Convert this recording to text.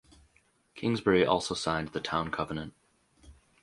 Kingsbury also signed the Town Covenant.